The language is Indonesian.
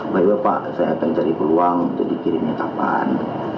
baik bapak saya akan cari peluang untuk dikirimnya kapan